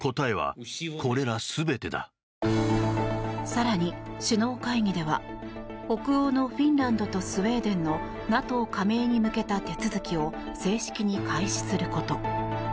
更に、首脳会議では北欧のフィンランドとスウェーデンのＮＡＴＯ加盟に向けた手続きを正式に開始すること。